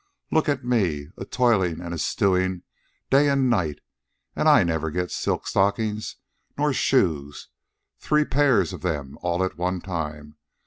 "Look at me, a toilin' and a stewin' day an' night, and I never get silk stockings nor shoes, three pairs of them all at one time.